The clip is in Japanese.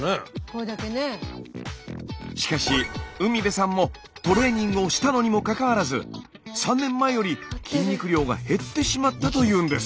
しかし海辺さんもトレーニングをしたのにもかかわらず３年前より筋肉量が減ってしまったというんです。